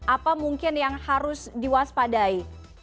apa mungkin yang harus diwaspadai